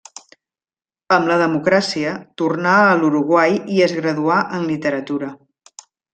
Amb la democràcia, tornà a l'Uruguai i es graduà en literatura.